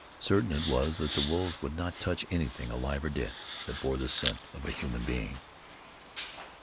Certain it was that the wolves would not touch anything, alive or dead, that bore the scent of a human being.